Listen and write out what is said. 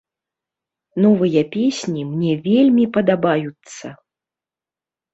Новыя песні мне вельмі падабаюцца.